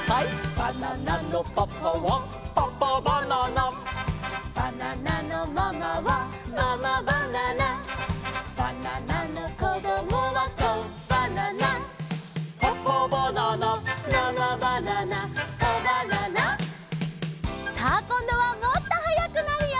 「バナナのパパはパパバナナ」「バナナのママはママバナナ」「バナナのこどもはコバナナ」「パパバナナママバナナコバナナ」さあこんどはもっとはやくなるよ！